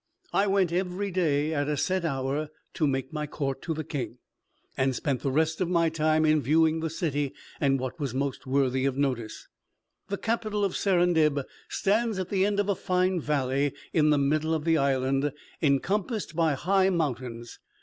I went every day at a set hour to make my court to the king, and spent the rest of my time in viewing the city, and what was most worthy of notice. The capital of Serendib stands at the end of a fine valley, in the middle of the island, encompassed by high mountains.